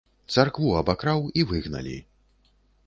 Царкву абакраў, і выгналі.